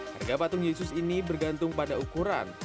harga patung yesus ini bergantung pada ukuran